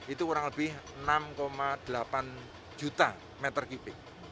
itu kurang lebih enam delapan juta meter kubik